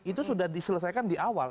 itu sudah diselesaikan di awal